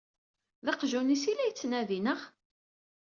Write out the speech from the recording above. D aqjun-is i la yettnadi, naɣ?